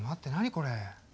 これ。